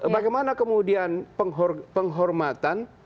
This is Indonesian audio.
bagaimana kemudian penghormatan